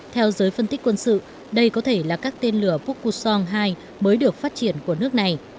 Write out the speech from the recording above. theo giới phân tích quân sự đây có thể là các tên lửa poku son hai mới được phát triển của nước này